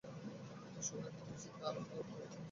এ সময়ে খুব নিশ্চিন্ত আর আরামবোধ করতাম।